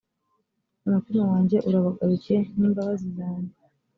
umutima wanjye urabagarukiye n’imbabazi zanjye